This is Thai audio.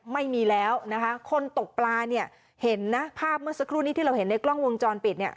ไม่มีแล้วนะคะคนตกปลาเนี่ยเห็นนะภาพเมื่อสักครู่นี้ที่เราเห็นในกล้องวงจรปิดเนี่ย